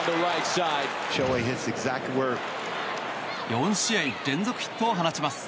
４試合連続ヒットを放ちます。